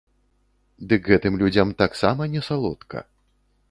Дык гэтым людзям таксама не салодка.